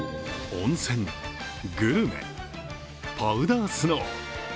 温泉、グルメ、パウダースノー。